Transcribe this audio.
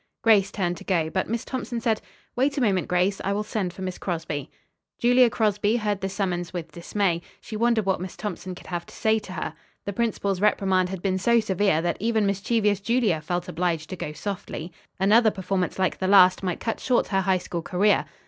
Grace turned to go, but Miss Thompson said. "Wait a moment, Grace, I will send for Miss Crosby." Julia Crosby heard the summons with dismay. She wondered what Miss Thompson could have to say to her. The principal's reprimand had been so severe that even mischievous Julia felt obliged to go softly. Another performance like the last might cut short her High School career.